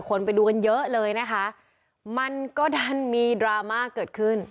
ไปดูกันเยอะเลยนะคะมันก็ดันมีดราม่าเกิดขึ้น